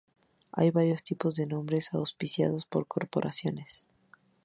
Hay varios tipos de nombres auspiciados por corporaciones.